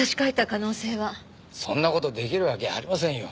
そんな事できるわけありませんよ。